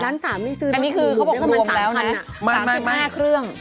๗ล้าน๓ไม่ซื้อได้คือคุณคุณได้ประมาณ๓คันอะอันนี้คือเขาบอกรวมแล้วนะ๓๕เครื่อง